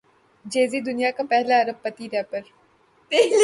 جے Z دنیا کے پہلے ارب پتی ریپر